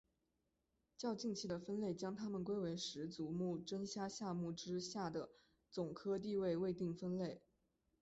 较近期的分类将它们归为十足目真虾下目之下的总科地位未定分类。